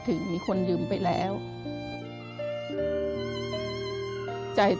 ทำงานชื่อนางหยาดฝนภูมิสุขอายุ๕๔ปี